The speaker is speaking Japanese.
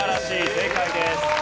正解です。